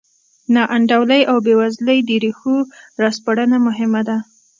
ناانډولۍ او بېوزلۍ د ریښو راسپړنه مهمه ده.